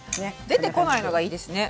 出てこないのがいいですね。